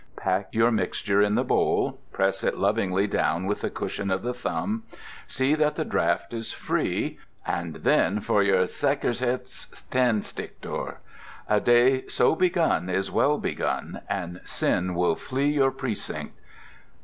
Pack your mixture in the bowl; press it lovingly down with the cushion of the thumb; see that the draught is free—and then for your säckerhets tändstickor! A day so begun is well begun, and sin will flee your precinct.